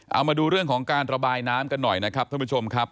เอามาดูเรื่องของการระบายน้ำกันหน่อยนะครับท่านผู้ชมครับ